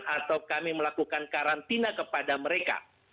atau kami melakukan karantina kepada mereka